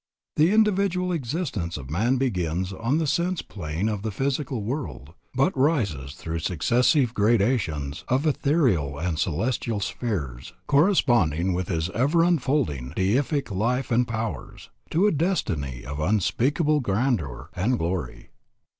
"The individual existence of man begins on the sense plane of the physical world, but rises through successive gradations of ethereal and celestial spheres, corresponding with his ever unfolding deific life and powers, to a destiny of unspeakable grandeur and glory.